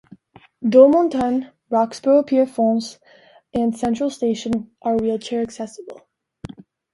Deux-Montagnes, Roxboro-Pierrefonds, and Central Station are wheelchair-accessible.